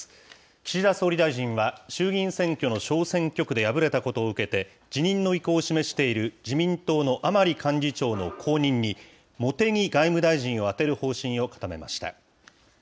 岸田総理大臣は、衆議院選挙の小選挙区で敗れたことを受けて、辞任の意向を示している自民党の甘利幹事長の後任に、茂木外務大臣を充てる方針を固めました。